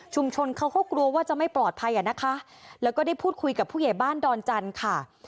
เขาก็กลัวว่าจะไม่ปลอดภัยอ่ะนะคะแล้วก็ได้พูดคุยกับผู้ใหญ่บ้านดอนจันทร์ค่ะ